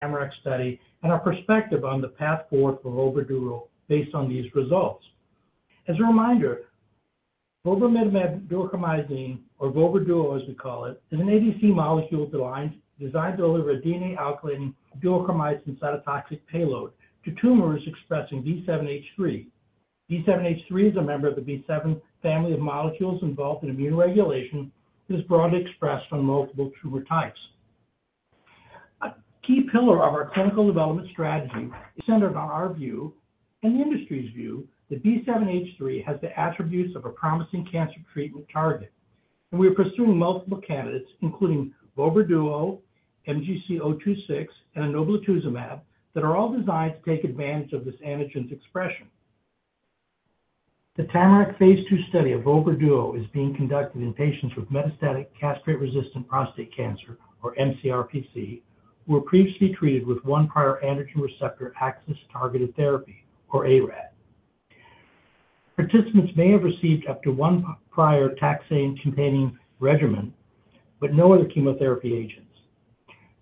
TAMARACK study and our perspective on the path forward for vobra duo based on these results. As a reminder, vobramitamab duocarmazine, or vobra duo, as we call it, is an ADC molecule designed to deliver a DNA alkylating duocarmazine cytotoxic payload to tumors expressing B7-H3. B7-H3 is a member of the B7 family of molecules involved in immune regulation, and is broadly expressed on multiple tumor types. A key pillar of our clinical development strategy is centered on our view and the industry's view that B7-H3 has the attributes of a promising cancer treatment target, and we are pursuing multiple candidates, including vobra duo, MGC026, and enoblituzumab, that are all designed to take advantage of this antigen's expression. The TAMARACK phase II study of vobra duo is being conducted in patients with metastatic castration-resistant prostate cancer, or mCRPC, who were previously treated with one prior androgen receptor axis-targeted therapy, or ARAT. Participants may have received up to one prior taxane-containing regimen, but no other chemotherapy agents.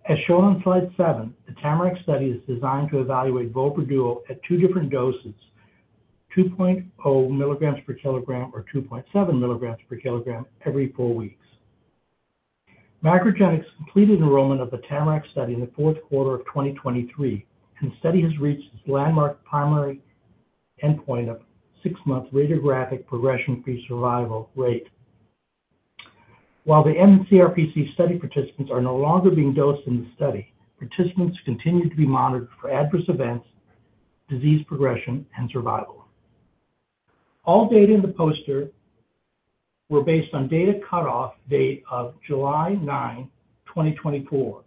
As shown on slide 7, the TAMARACK study is designed to evaluate vobra duo at two different doses, 2.0 mg/kg or 2.7 milligrams per kilogram every four weeks. MacroGenics completed enrollment of the TAMARACK study in the Q4 of 2023, and the study has reached its landmark primary endpoint of six-month radiographic progression-free survival rate. While the mCRPC study participants are no longer being dosed in the study, participants continue to be monitored for adverse events, disease progression, and survival. All data in the poster were based on data cutoff date of 9 July 2024.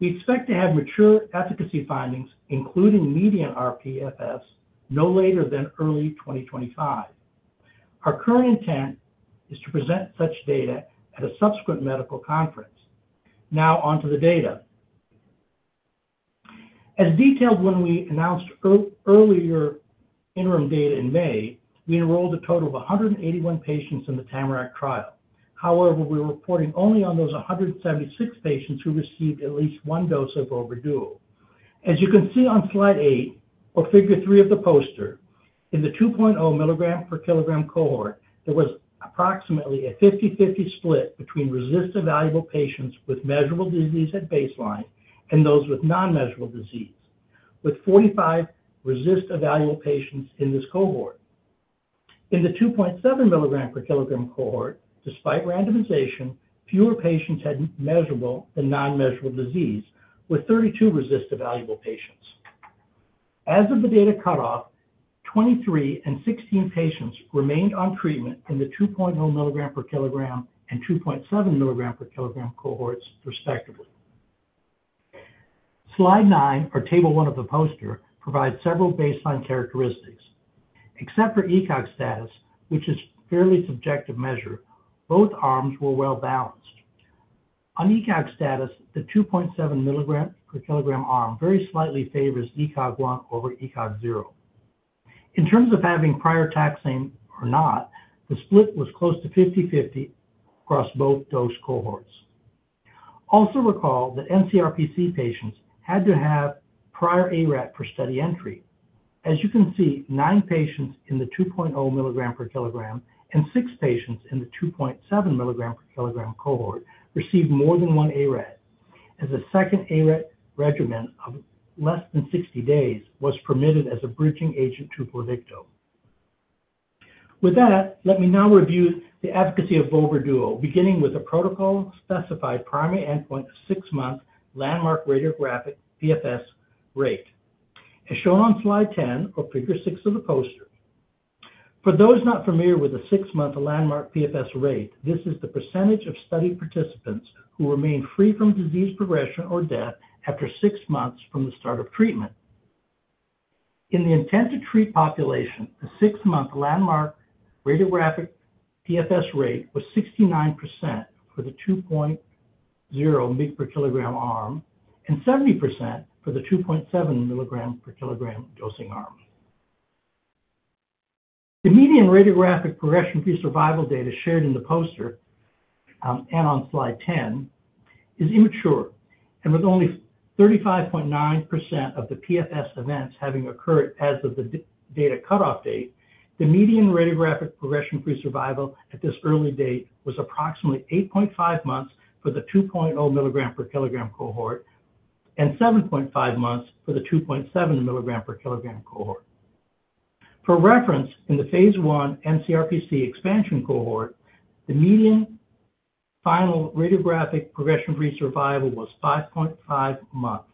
We expect to have mature efficacy findings, including median rPFS, no later than early 2025. Our current intent is to present such data at a subsequent medical conference. Now on to the data. As detailed when we announced earlier interim data in May, we enrolled a total of 181 patients in the TAMARACK trial. However, we're reporting only on those 176 patients who received at least one dose of vobra duo. As you can see on slide eight or figure three of the poster, in the 2.0 milligram per kilogram cohort, there was approximately a 50/50 split between RECIST-evaluable patients with measurable disease at baseline and those with non-measurable disease, with 45 RECIST-evaluable patients in this cohort. In the 2.7 mg/kg cohort, despite randomization, fewer patients had measurable than non-measurable disease, with 32 RECIST-evaluable patients. As of the data cutoff, 23 and 16 patients remained on treatment in the 2.0 milligram per kilogram and 2.7 mg/kg cohorts, respectively. Slide 9, or Table 1 of the poster, provides several baseline characteristics. Except for ECOG status, which is a fairly subjective measure, both arms were well-balanced. On ECOG status, the 2.7 mg/kg arm very slightly favors ECOG 1 over ECOG 0. In terms of having prior taxane or not, the split was close to 50/50 across both dose cohorts. Also recall that mCRPC patients had to have prior ARAT for study entry. As you can see, nine patients in the 2.0 milligram per kilogram and six patients in the 2.7 mg/kg cohort received more than one ARAT, as a second ARAT regimen of less than 60 days was permitted as a bridging agent to PLUVICTO. With that, let me now review the efficacy of vobra duo, beginning with the protocol-specified primary endpoint of six-month landmark radiographic PFS rate, as shown on slide 10 or figure 6 of the poster. For those not familiar with the six-month landmark PFS rate, this is the percentage of study participants who remain free from disease progression or death after six months from the start of treatment. In the intent-to-treat population, the six-month landmark radiographic PFS rate was 69% for the 2.0 mg per kilogram arm and 70% for the 2.7 mg per kilogram dosing arm. The median radiographic progression-free survival data shared in the poster and on slide 10 is immature, and with only 35.9% of the PFS events having occurred as of the data cutoff date, the median radiographic progression-free survival at this early date was approximately 8.5 months for the 2.0 milligram per kilogram cohort and 7.5 months for the 2.7 mg/kg cohort. For reference, in the phase I mCRPC expansion cohort, the median final radiographic progression-free survival was 5.5 months.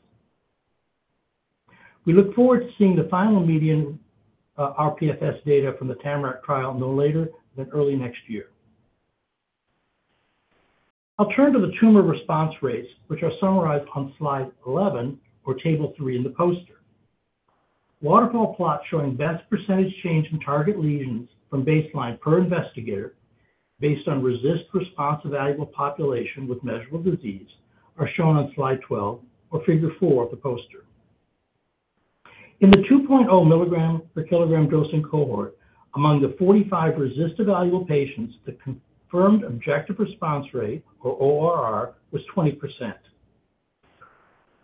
We look forward to seeing the final median rPFS data from the TAMARACK trial no later than early next year. I'll turn to the tumor response rates, which are summarized on slide 11 or table three in the poster. Waterfall plot showing best percentage change in target lesions from baseline per investigator based on RECIST response evaluable population with measurable disease are shown on slide 12 or figure four of the poster. In the 2.0 milligram per kilogram dosing cohort, among the 45 RECIST evaluable patients, the confirmed objective response rate, or ORR, was 20%.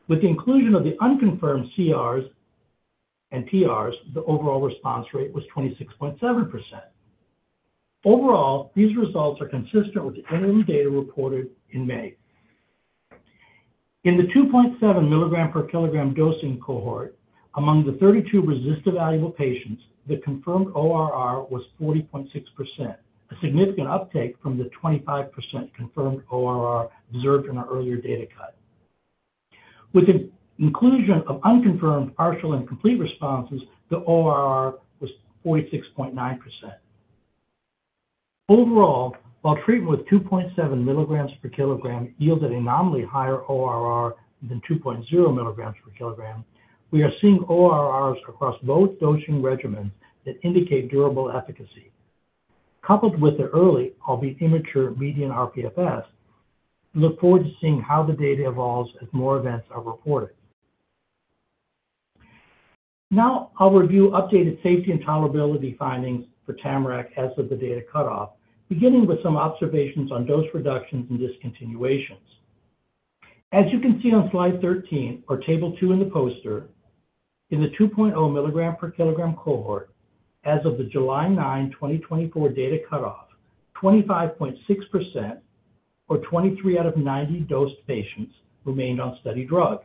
With the inclusion of the unconfirmed CRs and PRs, the overall response rate was 26.7%. Overall, these results are consistent with the interim data reported in May. In the 2.7 mg/kg dosing cohort, among the 32 RECIST evaluable patients, the confirmed ORR was 40.6%, a significant uptake from the 25% confirmed ORR observed in our earlier data cut. With the inclusion of unconfirmed partial and complete responses, the ORR was 46.9%. Overall, while treatment with 2.7 milligrams per kilogram yielded a nominally higher ORR than 2.0 mg/kg, we are seeing ORRs across both dosing regimens that indicate durable efficacy. Coupled with the early, albeit immature, median rPFSs, we look forward to seeing how the data evolves as more events are reported. Now I'll review updated safety and tolerability findings for TAMARACK as of the data cutoff, beginning with some observations on dose reductions and discontinuations. As you can see on slide 13 or table two in the poster, in the 2.0 mg/kg cohort, as of the 9 July 2024 data cutoff, 25.6% or 23 out of 90 dosed patients remained on study drug.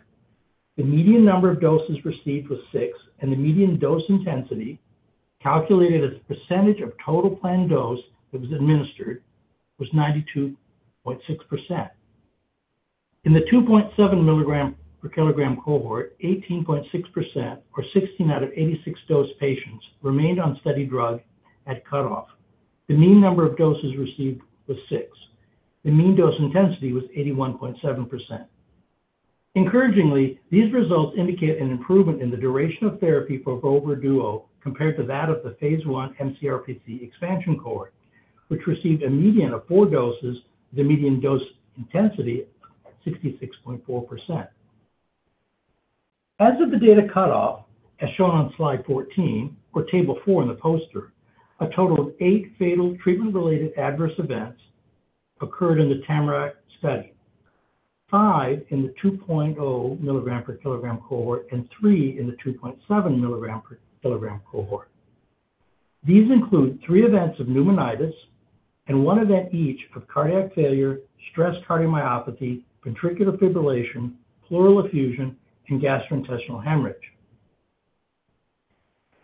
The median number of doses received was six, and the median dose intensity, calculated as percentage of total planned dose that was administered, was 92.6%. In the 2.7 mg/kg cohort, 18.6%, or 16 out of 86 dosed patients, remained on study drug at cutoff. The mean number of doses received was six. The mean dose intensity was 81.7%. Encouragingly, these results indicate an improvement in the duration of therapy for vobra duo compared to that of the phase I mCRPC expansion cohort, which received a median of four doses, the median dose intensity at 66.4%. As of the data cutoff, as shown on slide 14 or table 4 in the poster, a total of eight fatal treatment-related adverse events occurred in the TAMARACK study, five in the 2.0 mg/kg cohort and three in the 2.7 mg/kg cohort. These include three events of pneumonitis and one event each of cardiac failure, stress cardiomyopathy, ventricular fibrillation, pleural effusion, and gastrointestinal hemorrhage.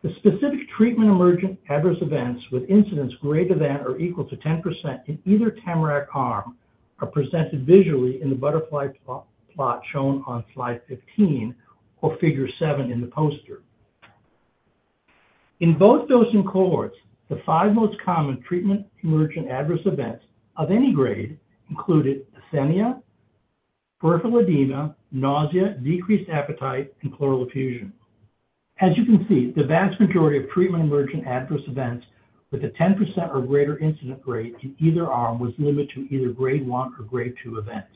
The specific treatment emergent adverse events with incidence greater than or equal to 10% in either TAMARACK arm are presented visually in the butterfly plot shown on slide 15 or figure seven in the poster. In both dosing cohorts, the five most common treatment emergent adverse events of any grade included asthenia, peripheral edema, nausea, decreased appetite, and pleural effusion. As you can see, the vast majority of treatment-emergent adverse events with a 10% or greater incidence rate in either arm was limited to either grade one or grade two events,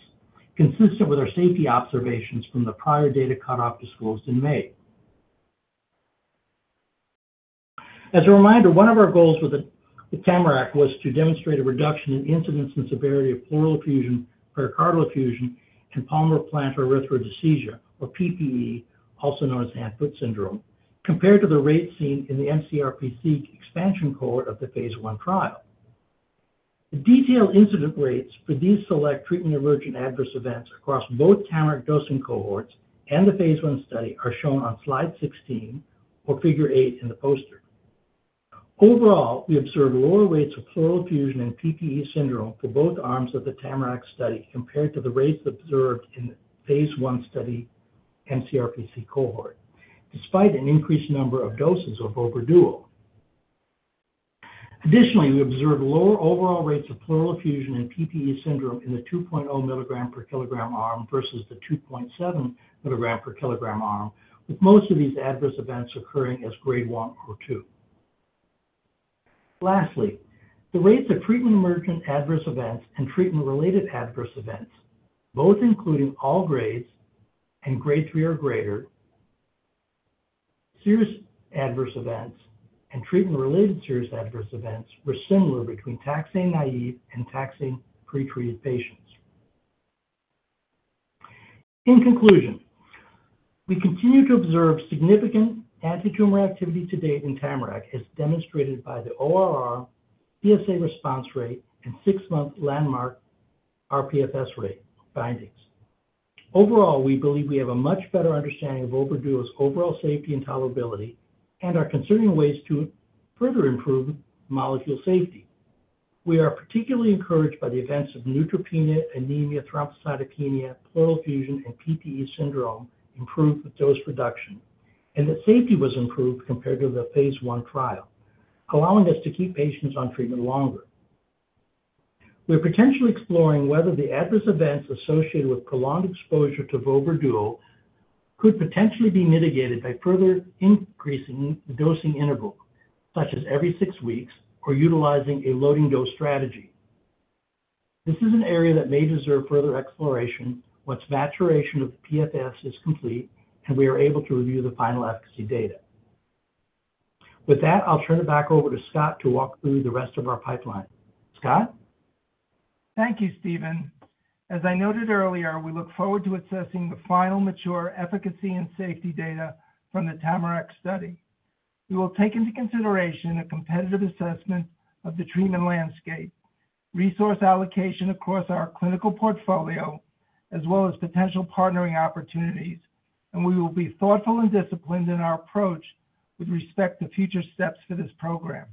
consistent with our safety observations from the prior data cutoff disclosed in May. As a reminder, one of our goals with the TAMARACK was to demonstrate a reduction in incidence and severity of pleural effusion, pericardial effusion, and palmar-plantar erythrodysesthesia, or PPE, also known as hand-foot syndrome, compared to the rates seen in the mCRPC expansion cohort of the phase one trial. The detailed incidence rates for these select treatment-emergent adverse events across both TAMARACK dosing cohorts and the phase one study are shown on slide 16 or figure eight in the poster. Overall, we observed lower rates of pleural effusion and PPE syndrome for both arms of the TAMARACK study compared to the rates observed in the phase I study mCRPC cohort, despite an increased number of doses of vobra duo. Additionally, we observed lower overall rates of pleural effusion and PPE syndrome in the 2.0 milligram per kilogram arm versus the 2.7 mg/kg arm, with most of these adverse events occurring as grade one or two. Lastly, the rates of treatment emergent adverse events and treatment-related adverse events, both including all grades and grade three or greater serious adverse events and treatment-related serious adverse events, were similar between taxane naive and taxane pretreated patients. In conclusion, we continue to observe significant antitumor activity to date in TAMARACK, as demonstrated by the ORR, PSA response rate, and six-month landmark rPFS rate findings. Overall, we believe we have a much better understanding of vobra duo's overall safety and tolerability and are considering ways to further improve molecule safety. We are particularly encouraged by the events of neutropenia, anemia, thrombocytopenia, pleural effusion, and PPE syndrome improved with dose reduction, and that safety was improved compared to the phase I trial, allowing us to keep patients on treatment longer. We are potentially exploring whether the adverse events associated with prolonged exposure to vobra duo could potentially be mitigated by further increasing the dosing interval, such as every six weeks or utilizing a loading dose strategy. This is an area that may deserve further exploration once maturation of the PFS is complete, and we are able to review the final efficacy data. With that, I'll turn it back over to Scott to walk through the rest of our pipeline. Scott? Thank you, Stephen. As I noted earlier, we look forward to assessing the final mature efficacy and safety data from the TAMARACK study. We will take into consideration a competitive assessment of the treatment landscape, resource allocation across our clinical portfolio, as well as potential partnering opportunities, and we will be thoughtful and disciplined in our approach with respect to future steps for this program.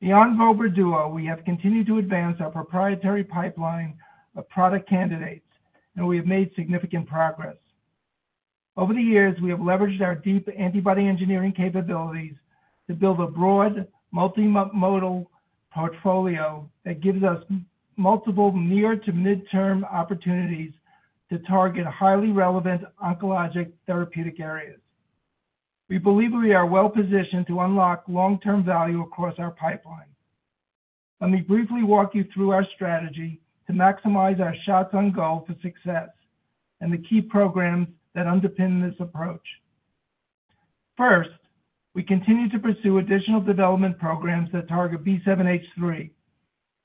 Beyond vobra duo, we have continued to advance our proprietary pipeline of product candidates, and we have made significant progress. Over the years, we have leveraged our deep antibody engineering capabilities to build a broad, multimodal portfolio that gives us multiple near to midterm opportunities to target highly relevant oncologic therapeutic areas. We believe we are well-positioned to unlock long-term value across our pipeline. Let me briefly walk you through our strategy to maximize our shots on goal for success and the key programs that underpin this approach. First, we continue to pursue additional development programs that target B7-H3,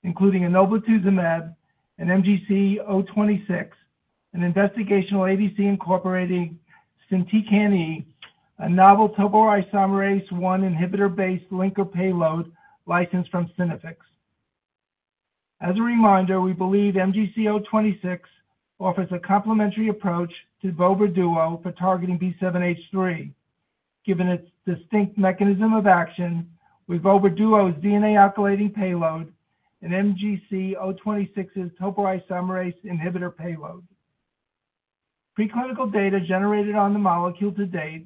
including enoblituzumab and MGC026, an investigational ADC incorporating SYNtecan, a novel topoisomerase one inhibitor-based linker payload licensed from Synaffix. As a reminder, we believe MGC026 offers a complementary approach to vobra duo for targeting B7-H3, given its distinct mechanism of action with vobra duo's DNA alkylating payload and MGC026's topoisomerase inhibitor payload. Preclinical data generated on the molecule to date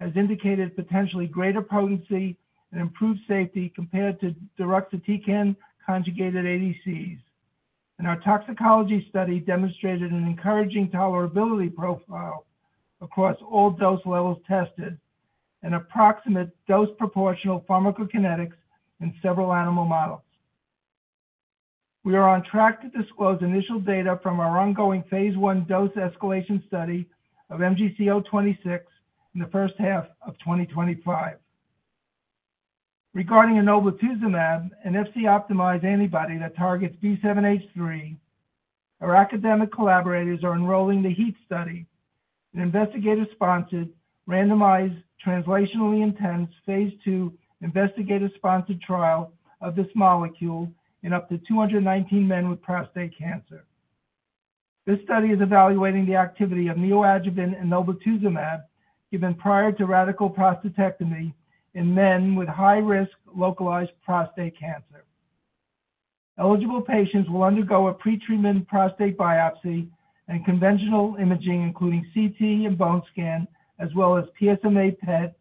has indicated potentially greater potency and improved safety compared to direct SYNtecan conjugated ADCs. And our toxicology study demonstrated an encouraging tolerability profile across all dose levels tested and approximate dose proportional pharmacokinetics in several animal models. We are on track to disclose initial data from our ongoing phase I dose escalation study of MGC026 in the first half of 2025. Regarding enoblituzumab, an Fc-optimized antibody that targets B7-H3, our academic collaborators are enrolling the HEAT study, an investigator-sponsored, randomized, translationally intense phase II investigator-sponsored trial of this molecule in up to 219 men with prostate cancer. This study is evaluating the activity of neoadjuvant enoblituzumab, given prior to radical prostatectomy in men with high-risk localized prostate cancer. Eligible patients will undergo a pretreatment prostate biopsy and conventional imaging, including CT and bone scan, as well as PSMA PET,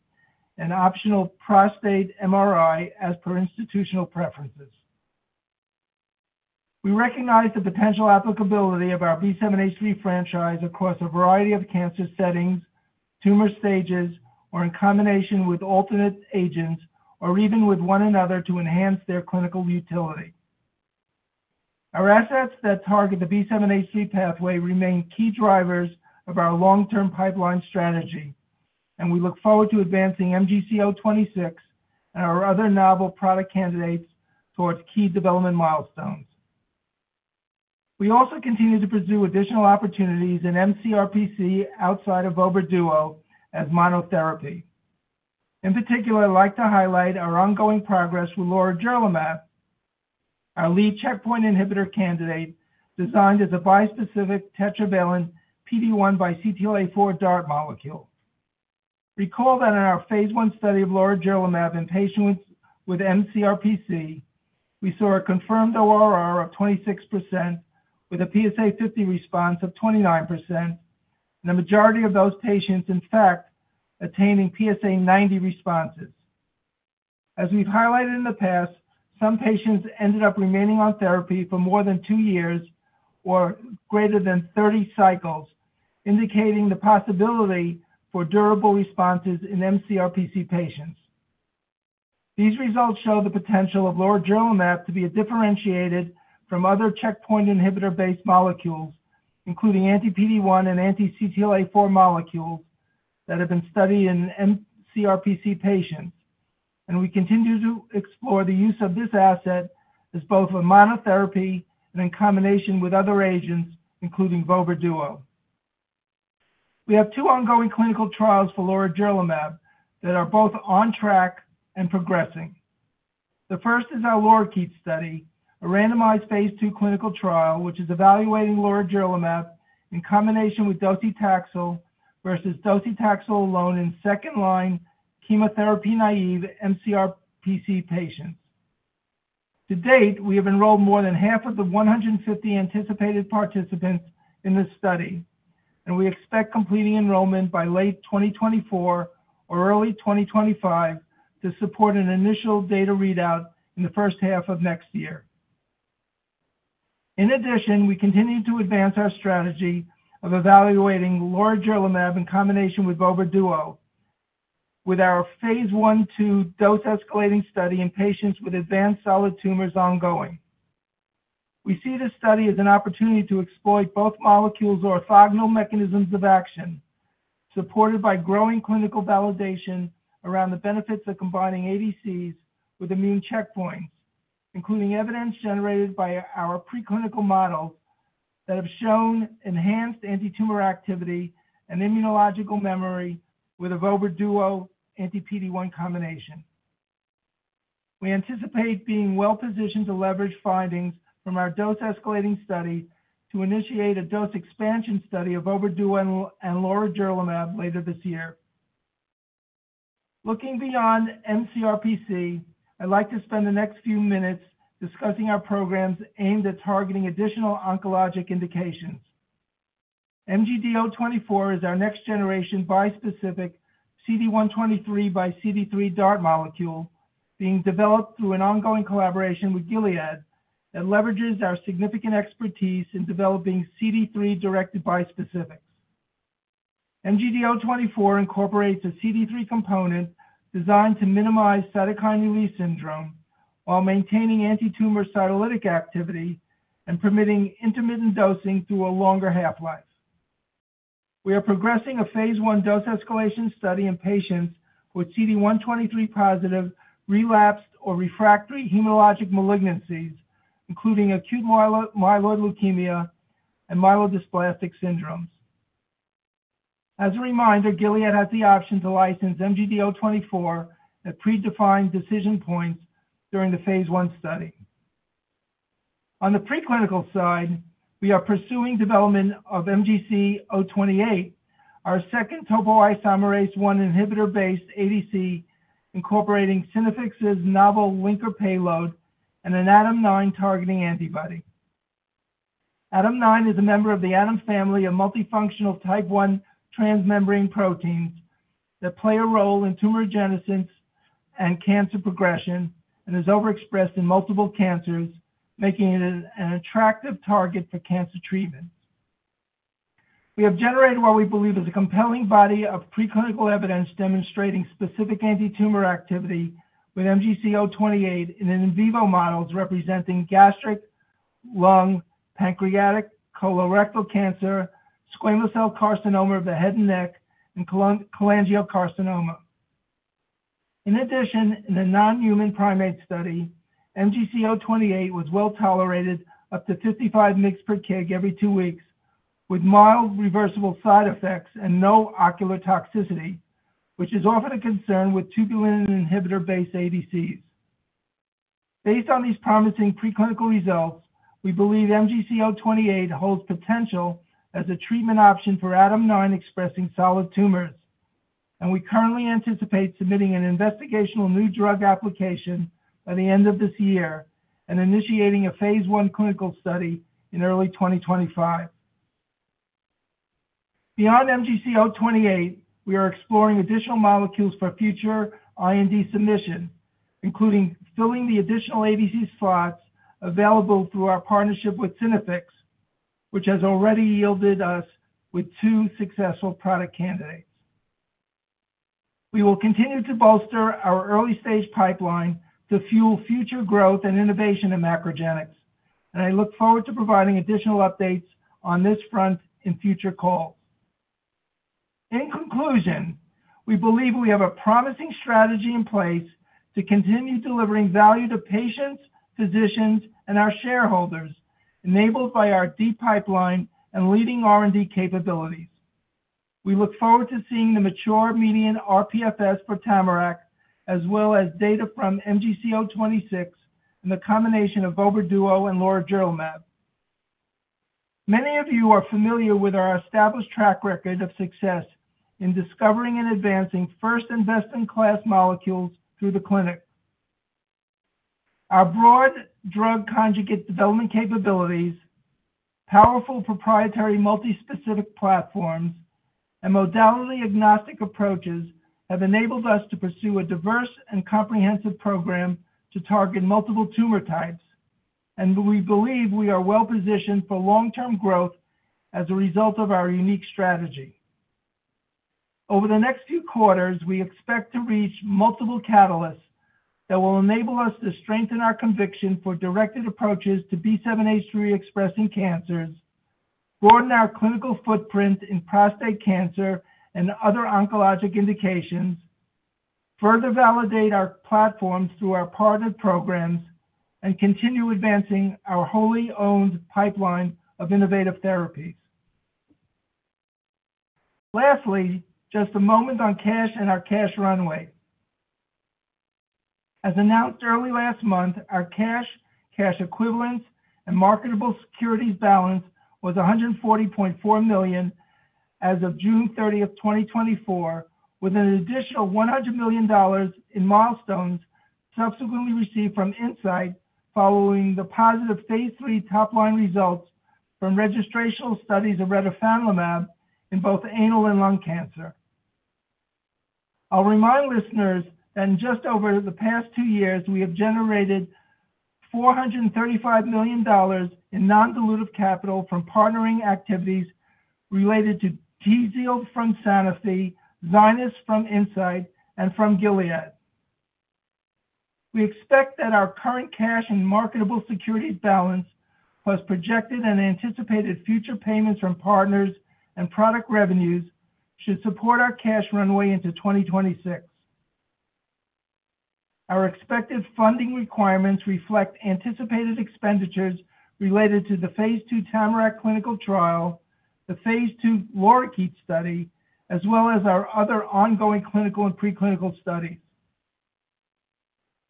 and optional prostate MRI as per institutional preferences. We recognize the potential applicability of our B7-H3 franchise across a variety of cancer settings, tumor stages, or in combination with alternate agents, or even with one another, to enhance their clinical utility. Our assets that target the B7-H3 pathway remain key drivers of our long-term pipeline strategy, and we look forward to advancing MGC026 and our other novel product candidates towards key development milestones. We also continue to pursue additional opportunities in mCRPC outside of vobra duo as monotherapy. In particular, I'd like to highlight our ongoing progress with lorigerlimab, our lead checkpoint inhibitor candidate, designed as a bispecific tetravalent PD-1 and CTLA-4 DART molecule. Recall that in our phase I study of lorigerlimab in patients with mCRPC, we saw a confirmed ORR of 26%, with a PSA50 response of 29%, and the majority of those patients, in fact, attaining PSA90 responses. As we've highlighted in the past, some patients ended up remaining on therapy for more than two years or greater than 30 cycles, indicating the possibility for durable responses in mCRPC patients. These results show the potential of lorigerlimab to be differentiated from other checkpoint inhibitor-based molecules, including anti-PD-1 and anti-CTLA-4 molecules that have been studied in mCRPC patients. And we continue to explore the use of this asset as both a monotherapy and in combination with other agents, including vobra duo. We have two ongoing clinical trials for lorigerlimab that are both on track and progressing. The first is our LORIKEET study, a randomized phase II clinical trial, which is evaluating lorigerlimab in combination with docetaxel versus docetaxel alone in second-line chemotherapy-naive mCRPC patients. To date, we have enrolled more than half of the 150 anticipated participants in this study, and we expect completing enrollment by late 2024 or early 2025 to support an initial data readout in the first half of next year. In addition, we continue to advance our strategy of evaluating lorigerlimab in combination with vobra duo with our phase I/II dose-escalating study in patients with advanced solid tumors ongoing. We see this study as an opportunity to exploit both molecules' orthogonal mechanisms of action, supported by growing clinical validation around the benefits of combining ADCs with immune checkpoints, including evidence generated by our preclinical model that have shown enhanced antitumor activity and immunological memory with a vobra duo anti-PD-1 combination. We anticipate being well-positioned to leverage findings from our dose-escalating study to initiate a dose expansion study of vobra duo and lorigerlimab later this year. Looking beyond mCRPC, I'd like to spend the next few minutes discussing our programs aimed at targeting additional oncologic indications. MGD024 is our next-generation bispecific CD123 by CD3 DART molecule being developed through an ongoing collaboration with Gilead that leverages our significant expertise in developing CD3-directed bispecifics. MGD024 incorporates a CD3 component designed to minimize cytokine release syndrome while maintaining antitumor cytolytic activity and permitting intermittent dosing through a longer half-life. We are progressing a phase I dose-escalation study in patients with CD123-positive, relapsed, or refractory hematologic malignancies, including acute myeloid leukemia and myelodysplastic syndromes. As a reminder, Gilead has the option to license MGD024 at predefined decision points during the phase I study. On the preclinical side, we are pursuing development of MGC028, our second topoisomerase 1 inhibitor-based ADC, incorporating Synaffix's novel linker payload and an ADAM9-targeting antibody. ADAM9 is a member of the ADAM family of multifunctional type I transmembrane proteins that play a role in tumorigenesis and cancer progression and is overexpressed in multiple cancers, making it an attractive target for cancer treatment. We have generated what we believe is a compelling body of preclinical evidence demonstrating specific antitumor activity with MGC028 in in vivo models representing gastric, lung, pancreatic, colorectal cancer, squamous cell carcinoma of the head and neck, and cholangiocarcinoma. In addition, in the non-human primate study, MGC028 was well tolerated up to 55 mg/kg every two weeks, with mild reversible side effects and no ocular toxicity, which is often a concern with tubulin inhibitor-based ADCs. Based on these promising preclinical results, we believe MGC028 holds potential as a treatment option for ADAM9-expressing solid tumors, and we currently anticipate submitting an investigational new drug application by the end of this year and initiating a phase I clinical study in early 2025. Beyond MGC028, we are exploring additional molecules for future IND submission, including filling the additional ADC slots available through our partnership with Synaffix, which has already yielded us with two successful product candidates. We will continue to bolster our early-stage pipeline to fuel future growth and innovation in MacroGenics, and I look forward to providing additional updates on this front in future calls. In conclusion, we believe we have a promising strategy in place to continue delivering value to patients, physicians, and our shareholders, enabled by our deep pipeline and leading R&D capabilities. We look forward to seeing the mature median rPFS for TAMARACK, as well as data from MGC026 and the combination of vobra duo and lorigerlimab. Many of you are familiar with our established track record of success in discovering and advancing first-in-best-in-class molecules through the clinic. Our broad drug conjugate development capabilities, powerful proprietary multispecific platforms, and modality-agnostic approaches have enabled us to pursue a diverse and comprehensive program to target multiple tumor types, and we believe we are well-positioned for long-term growth as a result of our unique strategy. Over the next few quarters, we expect to reach multiple catalysts that will enable us to strengthen our conviction for directed approaches to B7-H3-expressing cancers, broaden our clinical footprint in prostate cancer and other oncologic indications, further validate our platforms through our partnered programs, and continue advancing our wholly owned pipeline of innovative therapies. Lastly, just a moment on cash and our cash runway. As announced early last month, our cash, cash equivalents, and marketable securities balance was $140.4 million as of 30 June 2024, with an additional $100 million in milestones subsequently received from Incyte following the positive phase III top-line results from registrational studies of retifanlimab in both anal and lung cancer. I'll remind listeners that in just over the past two years, we have generated $435 million in non-dilutive capital from partnering activities related to TZIELD from Sanofi, ZYNYZ from Incyte, and from Gilead. We expect that our current cash and marketable securities balance, plus projected and anticipated future payments from partners and product revenues, should support our cash runway into 2026. Our expected funding requirements reflect anticipated expenditures related to the phase II TAMARACK clinical trial, the phase II LORIKEET study, as well as our other ongoing clinical and preclinical studies.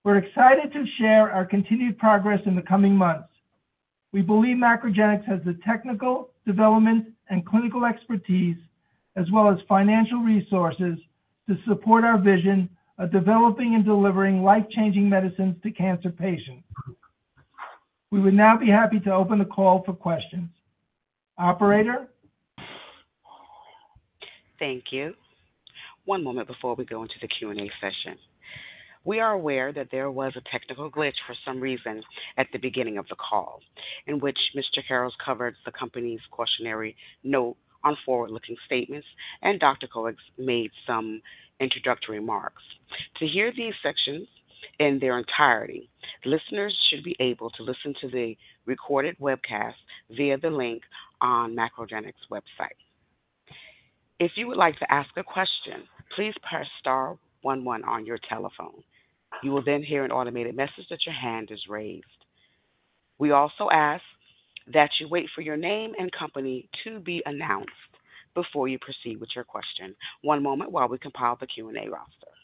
We're excited to share our continued progress in the coming months. We believe MacroGenics has the technical development and clinical expertise, as well as financial resources, to support our vision of developing and delivering life-changing medicines to cancer patients. We would now be happy to open the call for questions. Operator? Thank you. One moment before we go into the Q&A session. We are aware that there was a technical glitch for some reason at the beginning of the call, in which Mr. Karrels covered the company's cautionary note on forward-looking statements, and Dr. Koenig made some introductory remarks. To hear these sections in their entirety, listeners should be able to listen to the recorded webcast via the link on MacroGenics' website. If you would like to ask a question, please press star one one on your telephone. You will then hear an automated message that your hand is raised. We also ask that you wait for your name and company to be announced before you proceed with your question. One moment while we compile the Q&A roster.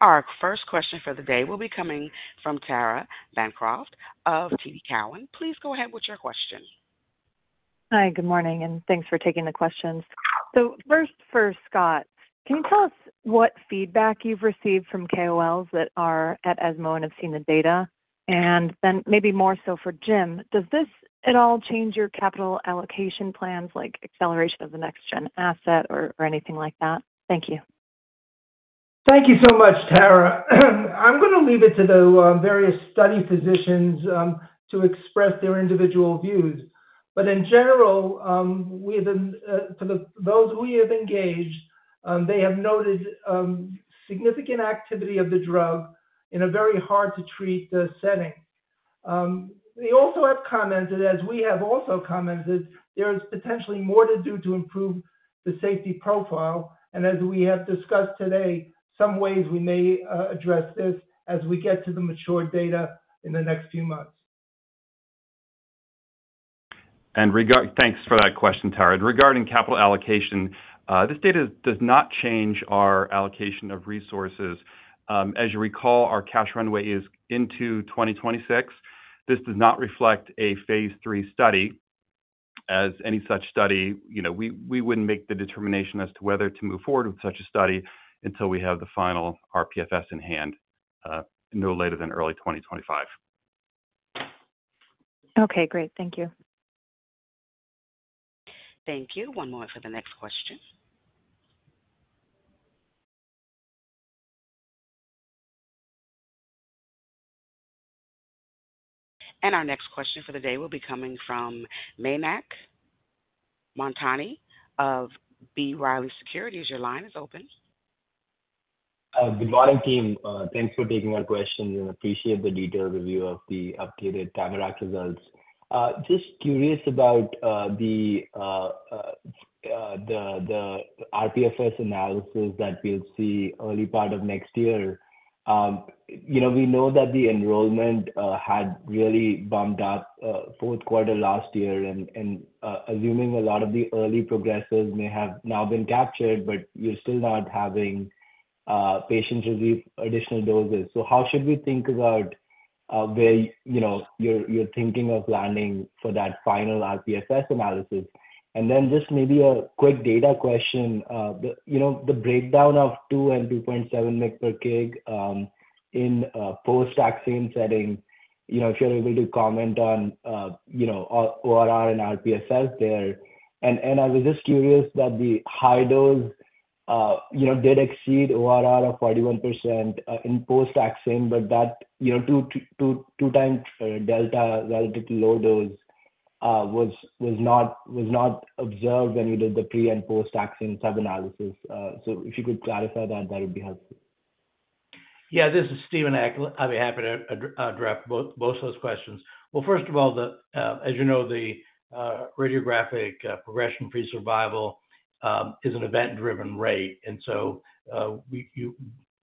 Our first question for the day will be coming from Tara Bancroft of TD Cowen. Please go ahead with your question. Hi, good morning, and thanks for taking the questions. First for Scott, can you tell us what feedback you've received from KOLs that are at ESMO and have seen the data? And then maybe more so for Jim, does this at all change your capital allocation plans, like acceleration of the next gen asset or, or anything like that? Thank you. Thank you so much, Tara. I'm going to leave it to the various study physicians to express their individual views. In general, for those we have engaged, they have noted significant activity of the drug in a very hard-to-treat setting. They also have commented, as we have also commented, there is potentially more to do to improve the safety profile, and as we have discussed today, some ways we may address this as we get to the mature data in the next few months. Thanks for that question, Tara. Regarding capital allocation, this data does not change our allocation of resources. As you recall, our cash runway is into 2026. This does not reflect a phase III study as any such study, you know, we wouldn't make the determination as to whether to move forward with such a study until we have the final rPFS in hand, no later than early 2025. Okay, great. Thank you. Thank you. One moment for the next question, and our next question for the day will be coming from Mayank Mamtani of B. Riley Securities. Your line is open. Good morning, team. Thanks for taking my questions, and appreciate the detailed review of the updated TAMARACK results. Just curious about the rPFS analysis that we'll see early part of next year. You know, we know that the enrollment had really bumped up Q4 last year, and assuming a lot of the early progressors may have now been captured, you're still not having patients receive additional doses. How should we think about where you know you're thinking of planning for that final rPFS analysis? Just maybe a quick data question. The breakdown of two and two point seven mg per kg in a post-vaccine setting, you know, if you're able to comment on you know ORR and rPFS there. I was just curious that the high dose, you know, did exceed ORR of 41% in post-vaccine, but that, you know, 2x delta relative to low dose was not observed when you did the pre and post-vaccine subanalysis. If you could clarify that, that would be helpful. This is Stephen Alcorn. I'd be happy to address both those questions. First of all, as you know, the radiographic progression-free survival is an event-driven rate, and so you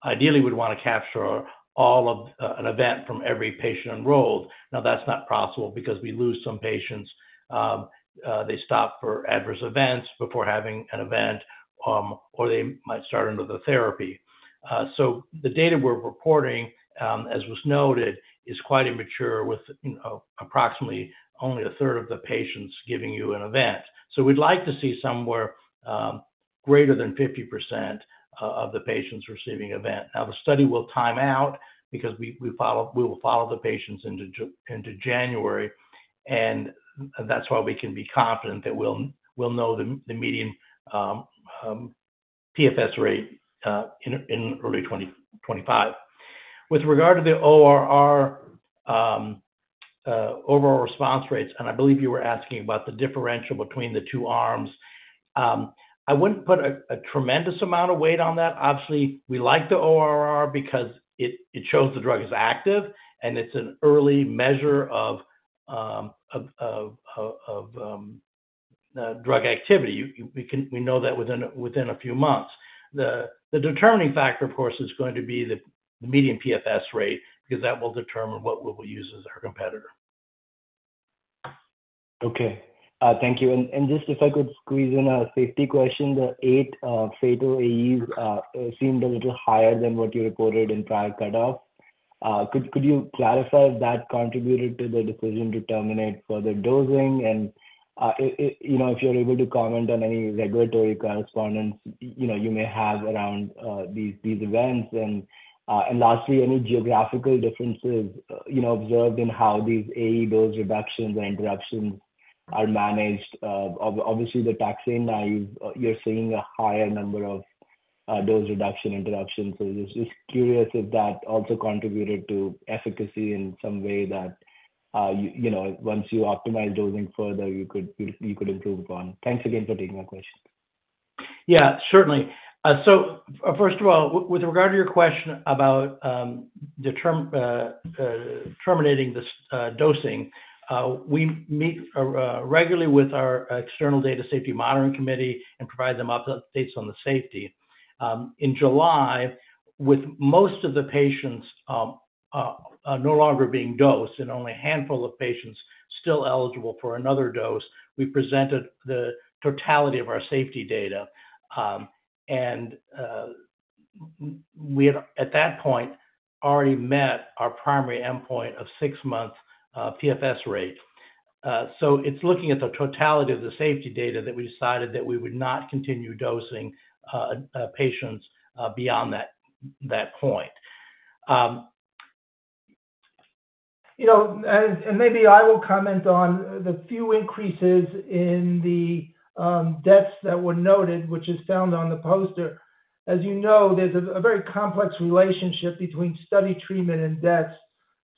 ideally would want to capture all of an event from every patient enrolled. Now, that's not possible because we lose some patients. They stop for adverse events before having an event, or they might start another therapy. The data we're reporting, as was noted, is quite immature, with, you know, approximately only a third of the patients giving you an event. We'd like to see somewhere greater than 50% of the patients receiving event. Now, the study will time out because we will follow the patients into January, and that's why we can be confident that we'll know the median PFS rate in early 2025. With regard to the ORR, overall response rates, and I believe you were asking about the differential between the two arms. I wouldn't put a tremendous amount of weight on that. Obviously, we like the ORR because it shows the drug is active, and it's an early measure of drug activity. We know that within a few months. The determining factor, of course, is going to be the median PFS rate, because that will determine what we will use as our competitor. Thank you. Just if I could squeeze in a safety question, the eight fatal AEs seemed a little higher than what you reported in prior cutoff. Could you clarify if that contributed to the decision to terminate further dosing? You know, if you're able to comment on any regulatory correspondence, you know, you may have around these events. Lastly, any geographical differences, you know, observed in how these AE dose reductions or interruptions are managed. The taxane naives, you're seeing a higher number of dose reduction interruptions. Just curious if that also contributed to efficacy in some way that, you know, once you optimize dosing further, you could improve upon. Thanks again for taking my question. Certainly. First of all, with regard to your question about the term terminating this dosing, we meet regularly with our external data safety monitoring committee and provide them updates on the safety. In July, with most of the patients no longer being dosed and only a handful of patients still eligible for another dose, we presented the totality of our safety data, and we had, at that point, already met our primary endpoint of six months PFS rate. It's looking at the totality of the safety data that we decided that we would not continue dosing patients beyond that point. You know, and, and maybe I will comment on the few increases in the deaths that were noted, which is found on the poster. As you know, there's a very complex relationship between study treatment and deaths.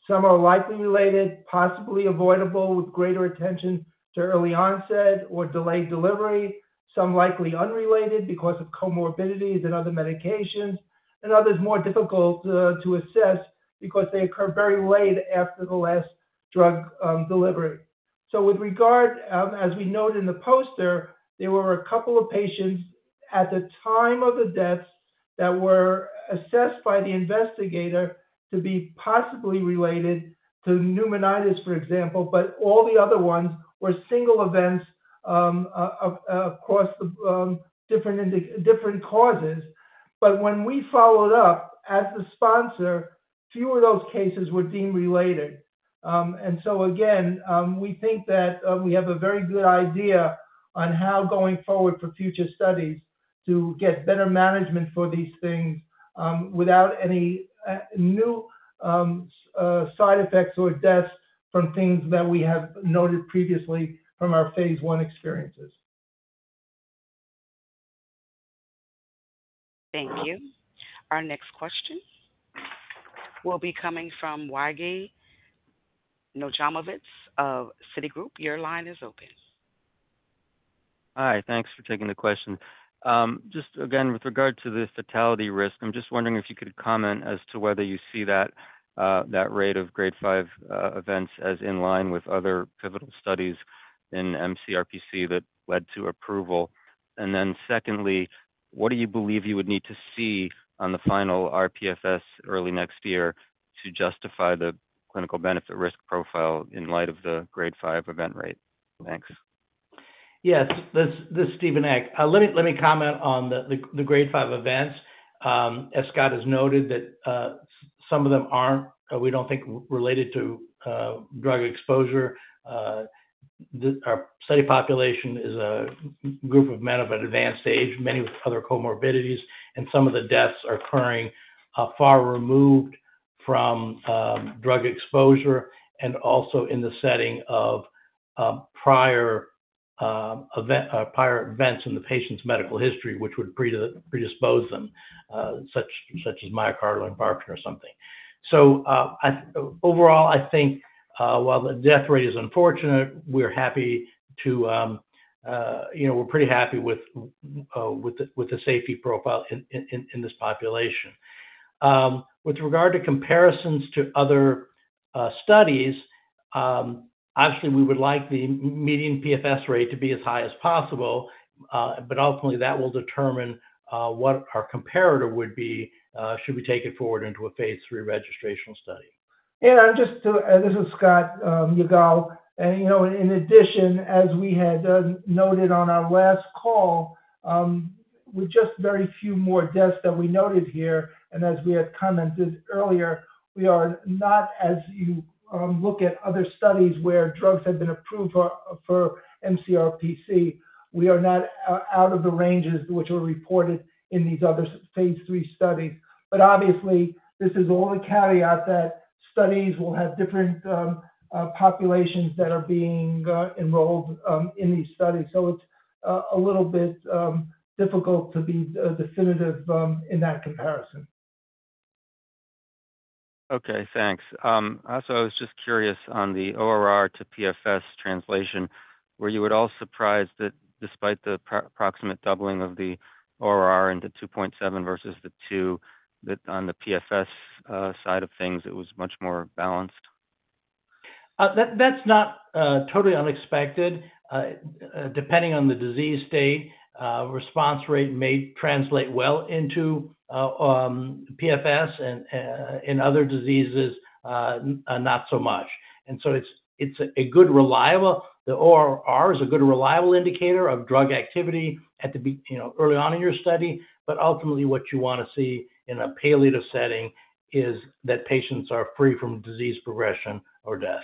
Some are likely related, possibly avoidable, with greater attention to early onset or delayed delivery. Some likely unrelated because of comorbidities and other medications, and others more difficult to assess because they occur very late after the last drug delivery. With regard, as we noted in the poster, there were a couple of patients at the time of the deaths that were assessed by the investigator to be possibly related to pneumonitis, for example, but all the other ones were single events across different causes. When we followed up as the sponsor, fewer of those cases were deemed related. Again, we think that we have a very good idea on how going forward for future studies to get better management for these things, without any new side effects or deaths from things that we have noted previously from our phase one experiences. Thank you. Our next question will be coming from Yigal Nochomovitz of Citigroup. Your line is open. Hi, thanks for taking the question. Just again, with regard to the fatality risk, I'm just wondering if you could comment as to whether you see that rate of grade five events as in line with other pivotal studies in mCRPC that led to approval? Secondly, what do you believe you would need to see on the final rPFS early next year to justify the clinical benefit risk profile in light of the grade five event rate? Thanks. This is Stephen Eck. Let me comment on the grade five events. As Scott has noted, some of them aren't, we don't think related to drug exposure. Our study population is a group of men of an advanced age, many with other comorbidities, and some of the deaths are occurring far removed from drug exposure, and also in the setting of prior events in the patient's medical history, which would predispose them such as myocardial infarction or something. Overall, I think while the death rate is unfortunate, we're happy to you know, we're pretty happy with the safety profile in this population. With regard to comparisons to other studies, obviously, we would like the median PFS rate to be as high as possible, but ultimately, that will determine what our comparator would be, should we take it forward into a phase three registrational study. Just to, this is Scott, Yigal, and you know, in addition, as we had noted on our last call, with just very few more deaths that we noted here, and as we had commented earlier, we are not, as you look at other studies where drugs have been approved for mCRPC, we are not out of the ranges which were reported in these other phase III studies. Obviously, this is all a caveat that studies will have different populations that are being enrolled in these studies. It's a little bit difficult to be definitive in that comparison. Thanks. Also, I was just curious on the ORR to PFS translation. Were you at all surprised that despite the approximate doubling of the ORR to 2.7 versus two, that on the PFS side of things, it was much more balanced? That's not totally unexpected. Depending on the disease state, response rate may translate well into PFS and in other diseases not so much. It's a good reliable. The ORR is a good reliable indicator of drug activity at the beginning, you know, early on in your study. Ultimately, what you wanna see in a palliative setting is that patients are free from disease progression or death.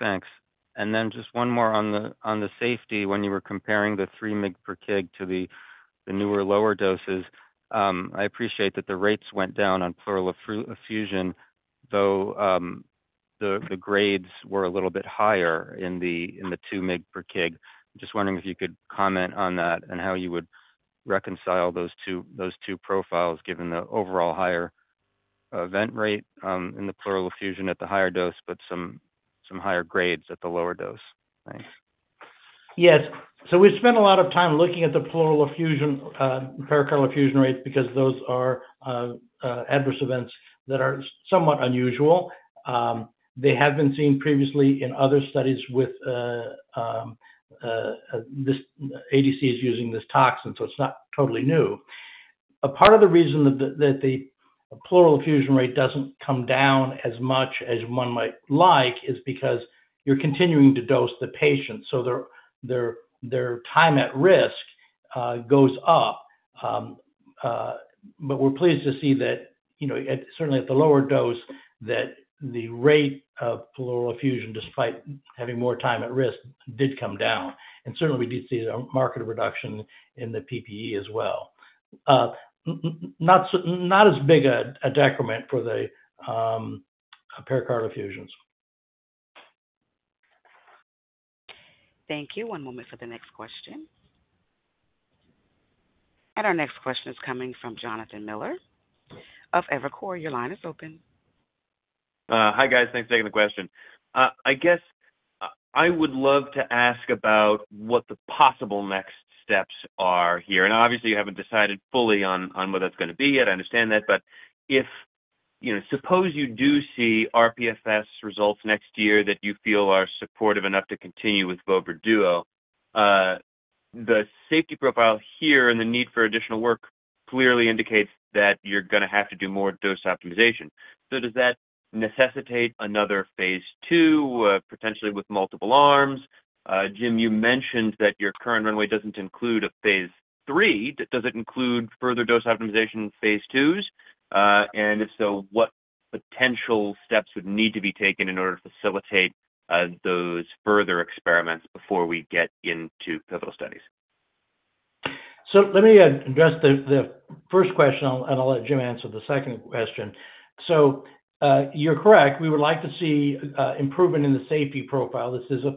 Thanks. Just one more on the safety. When you were comparing the three mg per kg to the newer, lower doses, I appreciate that the rates went down on pleural effusion, though, the grades were a little bit higher in the two mg per kg. Just wondering if you could comment on that and how you would reconcile those two profiles, given the overall higher event rate in the pleural effusion at the higher dose, but some higher grades at the lower dose. Thanks. We've spent a lot of time looking at the pleural effusion, pericardial effusion rates, because those are adverse events that are somewhat unusual. They have been seen previously in other studies with this ADC using this toxin, so it's not totally new. A part of the reason that the pleural effusion rate doesn't come down as much as one might like is because you're continuing to dose the patient, so their time at risk goes up. We're pleased to see that, you know, certainly at the lower dose, that the rate of pleural effusion, despite having more time at risk, did come down, and certainly we did see a marked reduction in the PPE as well. Not as big a decrement for the pericardial effusions. Thank you. One moment for the next question. Our next question is coming from Jonathan Miller of Evercore. Your line is open. Hi, guys. Thanks for taking the question. I guess I would love to ask about what the possible next steps are here. Obviously, you haven't decided fully on what that's gonna be, yet I understand that. If, you know, suppose you do see rPFS results next year that you feel are supportive enough to continue with vobra duo, the safety profile here and the need for additional work clearly indicates that you're gonna have to do more dose optimization. Does that necessitate another phase two, potentially with multiple arms? Jim, you mentioned that your current runway doesn't include a phase three. Does it include further dose optimization in phase twos? If so, what potential steps would need to be taken in order to facilitate those further experiments before we get into pivotal studies? Let me address the first question, and I'll let Jim answer the second question. You're correct, we would like to see improvement in the safety profile. This is a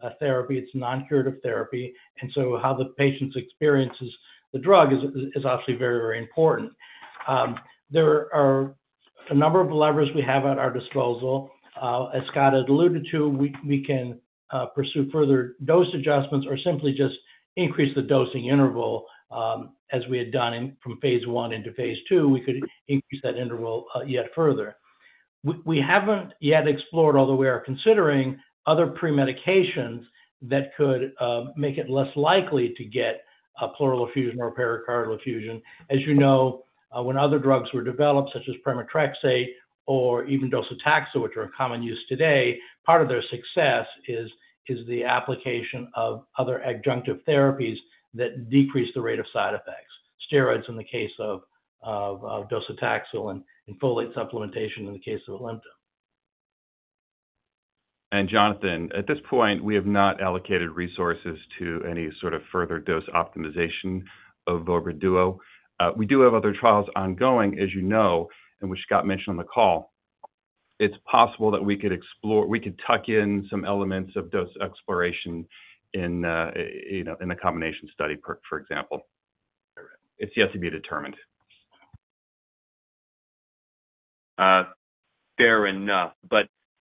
palliative therapy. It's non-curative therapy, and so how the patients experiences the drug is obviously very, very important. There are a number of levers we have at our disposal. As Scott has alluded to, we can pursue further dose adjustments or simply just increase the dosing interval, as we had done from phase one into phase two, we could increase that interval yet further. We haven't yet explored, although we are considering other premedications that could make it less likely to get a pleural effusion or pericardial effusion. As you know, when other drugs were developed, such as pemetrexed or even docetaxel, which are in common use today, part of their success is the application of other adjunctive therapies that decrease the rate of side effects. Steroids in the case of docetaxel and folate supplementation in the case of ALIMTA. Jonathan, at this point, we have not allocated resources to any sort of further dose optimization of vobra duo. We do have other trials ongoing, as you know, and which Scott mentioned on the call. It's possible that we could explore. We could tuck in some elements of dose exploration in, you know, in a combination study, for example. It's yet to be determined. Fair enough,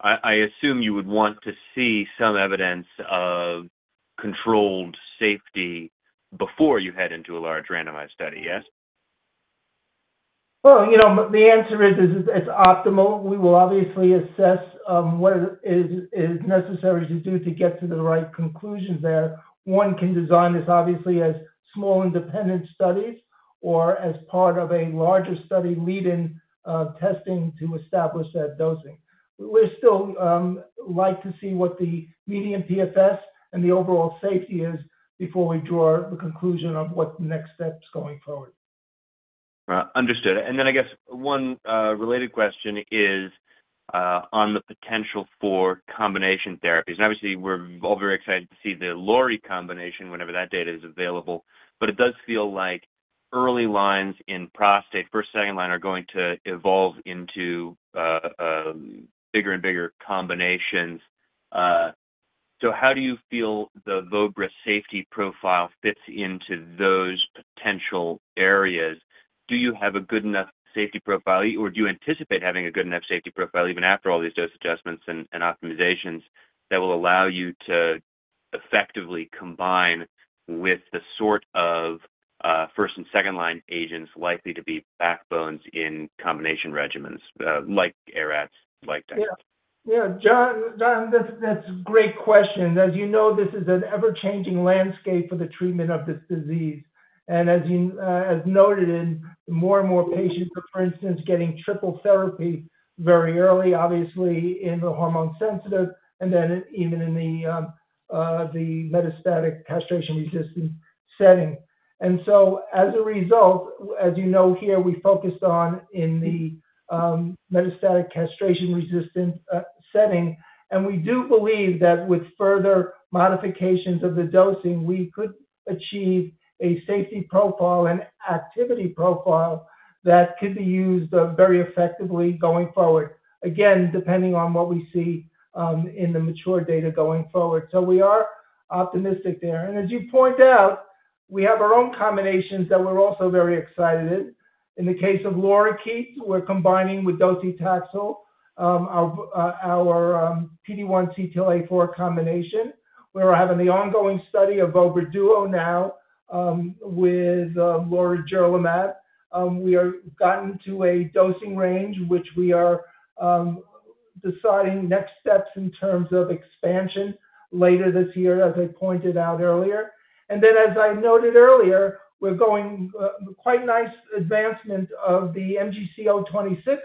but I assume you would want to see some evidence of controlled safety before you head into a large randomized study, yes? You know, the answer is it's optimal. We will obviously assess what is necessary to do to get to the right conclusion there. One can design this obviously as small independent studies or as part of a larger study lead-in testing to establish that dosing. We're still like to see what the median PFS and the overall safety is before we draw the conclusion on what the next steps going forward. Understood. And then I guess one related question is on the potential for combination therapies, and obviously, we're all very excited to see the LORI combination whenever that data is available. But it does feel like early lines in prostate, first, second line, are going to evolve into bigger and bigger combinations. How do you feel the VOBRA safety profile fits into those potential areas? Do you have a good enough safety profile, or do you anticipate having a good enough safety profile even after all these dose adjustments and optimizations that will allow you to effectively combine with the sort of first and second line agents likely to be backbones in combination regimens, like ARAT, like taxane? John, that's a great question. As you know, this is an ever-changing landscape for the treatment of this disease. Ans you noted in more and more patients, for instance, getting triple therapy very early, obviously, in the hormone sensitive and then even in the metastatic castration-resistant setting. As a result, as you know, here, we focused on in the metastatic castration-resistant setting, and we do believe that with further modifications of the dosing, we could achieve a safety profile and activity profile that could be used very effectively going forward. Again, depending on what we see in the mature data going forward. We are optimistic there. You point out, we have our own combinations that we're also very excited in. In the case of LORIKEET, we're combining with docetaxel our PD-1 CTLA-4 combination. We're having the ongoing study of vobra duo now with lorigerlimab. We are gotten to a dosing range, which we are deciding next steps in terms of expansion later this year, as I pointed out earlier. As I noted earlier, we're going quite nice advancement of the MGC026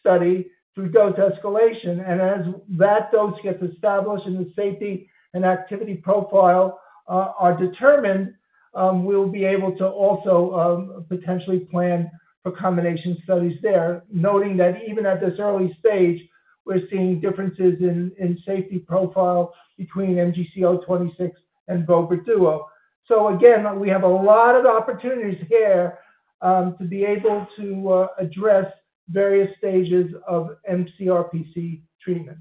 study through dose escalation. As that dose gets established and the safety and activity profile are determined, we'll be able to also potentially plan for combination studies there, noting that even at this early stage, we're seeing differences in safety profile between MGC026 and vobra duo. So again, we have a lot of opportunities here to be able to address various stages of mCRPC treatment.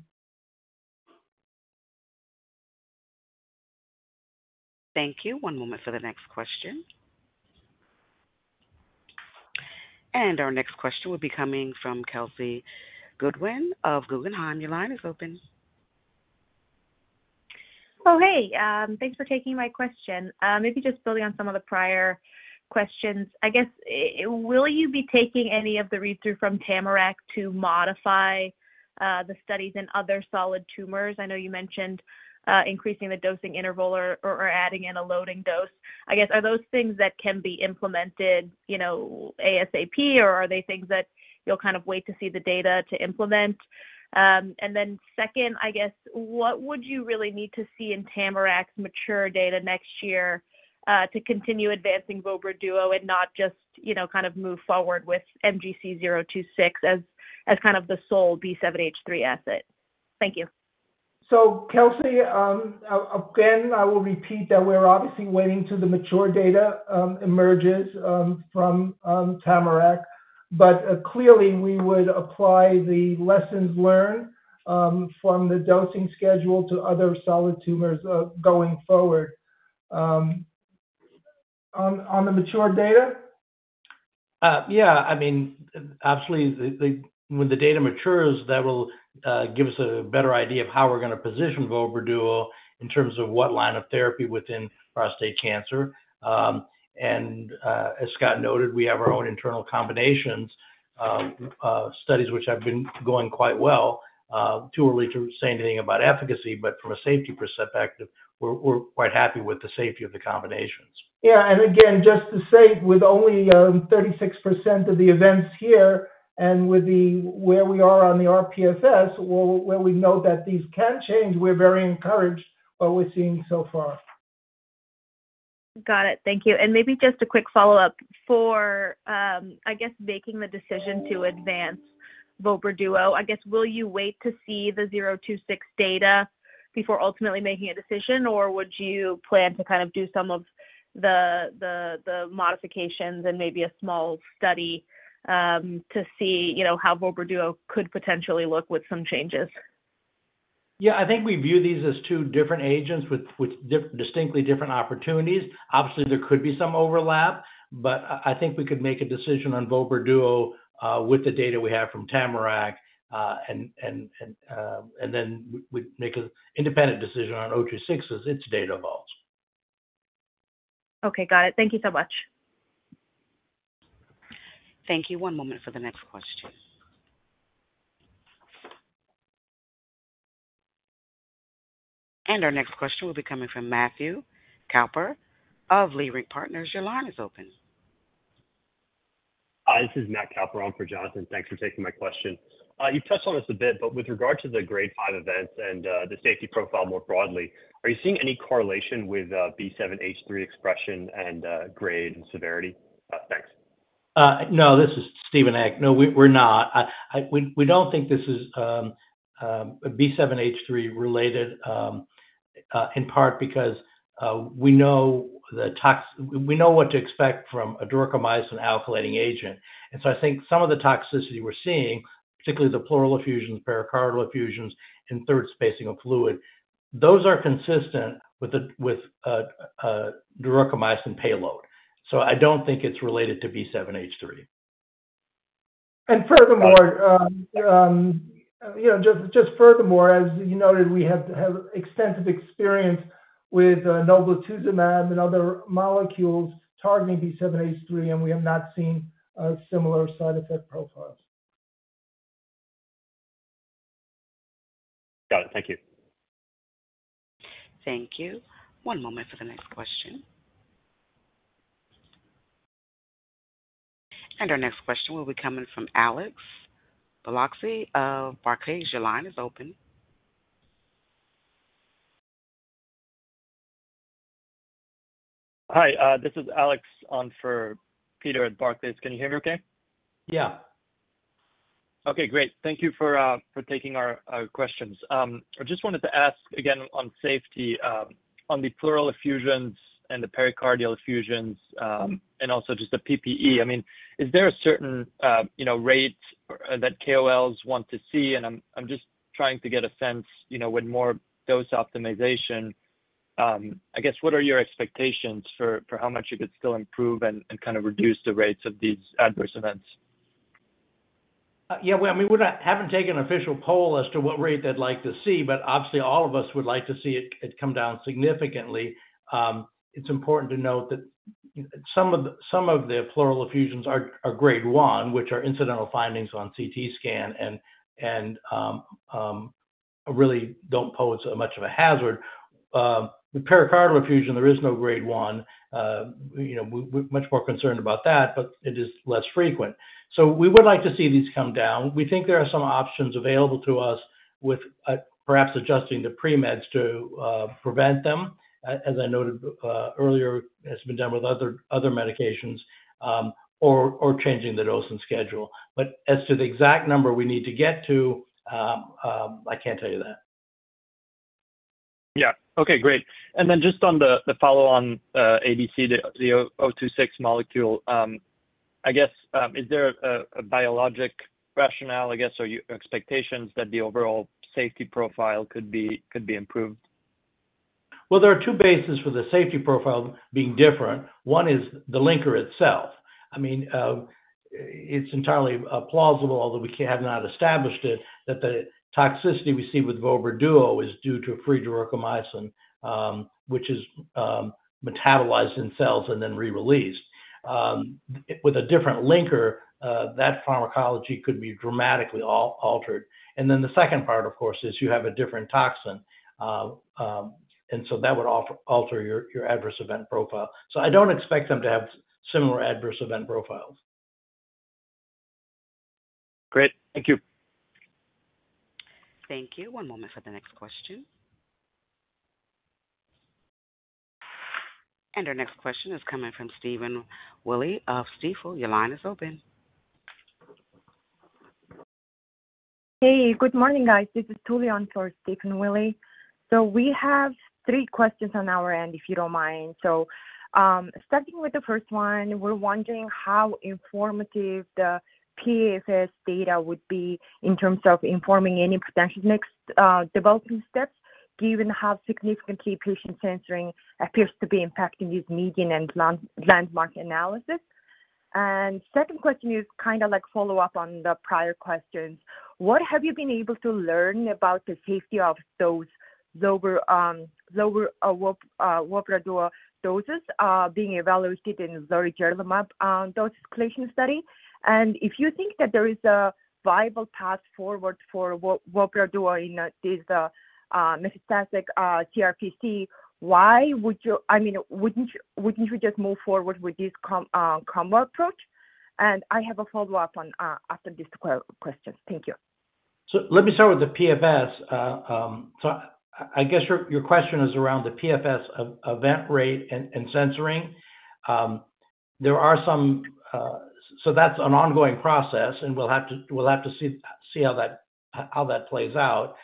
Thank you. One moment for the next question. Our next question will be coming from Kelsey Goodwin of Guggenheim. Your line is open. Oh, hey, thanks for taking my question. Maybe just building on some of the prior questions. I guess, will you be taking any of the read-through from TAMARACK to modify the studies in other solid tumors? I know you mentioned increasing the dosing interval or adding in a loading dose. I guess, are those things that can be implemented, you know, ASAP, or are they things that you'll kind of wait to see the data to implement? Second, I guess, what would you really need to see in TAMARACK's mature data next year to continue advancing vobra duo and not just, you know, kind of move forward with MGC026 as kind of the sole B7-H3 asset? Thank you. Kelsey, again, I will repeat that we're obviously waiting till the mature data emerges from TAMARACK, but clearly, we would apply the lessons learned from the dosing schedule to other solid tumors going forward. On the mature data? Absolutely, when the data matures, that will give us a better idea of how we're gonna position vobra duo in terms of what line of therapy within prostate cancer. As Scott noted, we have our own internal combination studies which have been going quite well. Too early to say anything about efficacy, but from a safety perspective, we're quite happy with the safety of the combinations. Just to say, with only 36% of the events here and with where we are on the rPFS, where we know that these can change, we're very encouraged by what we're seeing so far. Got it. Thank you. Maybe just a quick follow-up: for, I guess, making the decision to advance vobra duo, I guess, will you wait to see the MGC026 data before ultimately making a decision, or would you plan to kind of do some of the modifications and maybe a small study, to see, you know, how vobra duo could potentially look with some changes?I think we view these as two different agents with distinctly different opportunities. Obviously, there could be some overlap, but I think we could make a decision on vobra duo with the data we have from TAMARACK, and then we make an independent decision on zero two six as its data evolves. Okay, got it. Thank you so much. Thank you. One moment for the next question. Our next question will be coming from Matthew Kulp of Leerink Partners. Your line is open. Hi, this is Matthew Kulp on for Jonathan Miller. Thanks for taking my question. You've touched on this a bit, but with regard to the grade five events and the safety profile more broadly, are you seeing any correlation with B7-H3 expression and grade and severity? Thanks. This is Stephen Eck. No, we, we're not. We don't think this is B7-H3 related, in part because we know what to expect from a duocarmazine alkylating agent. I think some of the toxicity we're seeing, particularly the pleural effusions, pericardial effusions, and third spacing of fluid, those are consistent with a duocarmazine payload. So I don't think it's related to B7-H3. Furthermore, you know, as you noted, we have extensive experience with enoblituzumab and other molecules targeting B7-H3, and we have not seen similar side effect profiles. Got it. Thank you. Thank you. One moment for the next question. Our next question will be coming from Alex Balcoci of Barclays. Your line is open. Hi, this is Alex on for Peter at Barclays. Can you hear me okay? Okay, great. Thank you for taking our questions. I just wanted to ask again on safety, on the pleural effusions and the pericardial effusions, and also just the PPE. s there a certain, you know, rate that KOLs want to see? I'm just trying to get a sense, you know, with more dose optimization, I guess, what are your expectations for how much you could still improve and kind of reduce the rates of these adverse events? Well, we're not, haven't taken an official poll as to what rate they'd like to see, but obviously all of us would like to see it come down significantly. It's important to note that some of the pleural effusions are grade one, which are incidental findings on CT scan, and really don't pose much of a hazard. The pericardial effusion, there is no grade one. You know, we're much more concerned about that, but it is less frequent. So we would like to see these come down. We think there are some options available to us with perhaps adjusting the pre-meds to prevent them, as I noted earlier, it's been done with other medications, or changing the dose and schedule. As to the exact number we need to get to, I can't tell you that. Okay, great. And then just on the follow on ADC, the 026 molecule, I guess, is there a biologic rationale, I guess, or your expectations that the overall safety profile could be improved? There are two bases for the safety profile being different. One is the linker itself. I mean, it's entirely plausible, although we have not established it, that the toxicity we see with vobra duo is due to a free duocarmazine, which is metabolized in cells and then re-released. With a different linker, that pharmacology could be dramatically altered. The second part, of course, is you have a different toxin, and so that would alter your adverse event profile. I don't expect them to have similar adverse event profiles. Great. Thank you. Thank you. One moment for the next question. Our next question is coming from Stephen Willey of Stifel. Your line is open. Hey, good morning, guys. This is Julie on for Stephen Willey. We have three questions on our end, if you don't mind. So, starting with the first one, we're wondering how informative the PFS data would be in terms of informing any potential next, developing steps, given how significantly patient censoring appears to be impacting this median and landmark analysis. Second question is kind of like follow-up on the prior questions. What have you been able to learn about the safety of those vobra duo doses, being evaluated in the durvalumab dose escalation study? If you think that there is a viable path forward for vobra duo in this metastatic CRPC, why would you I mean, wouldn't you just move forward with this combo approach? I have a follow-up on after these questions. Thank you. Let me start with the PFS. I guess your question is around the PFS of event rate and censoring. That's an ongoing process, and we'll have to see how that plays out.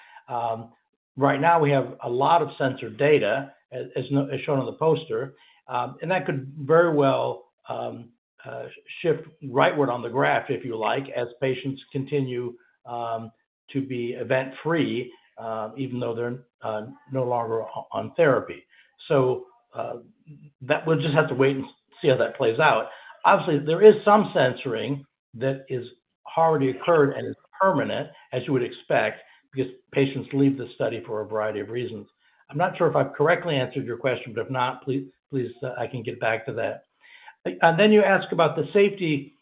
Right now we have a lot of censored data, as shown on the poster, and that could very well shift rightward on the graph, if you like, as patients continue to be event-free, even though they're no longer on therapy. We'll just have to wait and see how that plays out. Obviously, there is some censoring that has hardly occurred and is permanent, as you would expect, because patients leave the study for a variety of reasons. I'm not sure if I've correctly answered your question, but if not, please, please, I can get back to that, and then you ask about the safety,